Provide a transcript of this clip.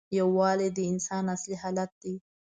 یووالی د انسان اصلي حالت دی.